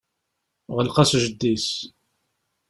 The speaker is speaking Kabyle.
Ɣleq-as jeddi-s.